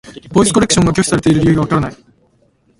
ボイスコレクションが拒否されている理由がわからない。